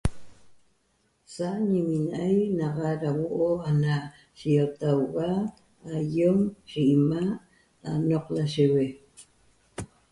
Sa niminai' naxa ra huo'o ana siiotauga aiom ye ima' anoq lasheue